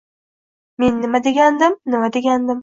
Men nima degandim, Nima degandim